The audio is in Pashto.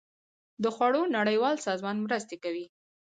د خوړو نړیوال سازمان مرستې کوي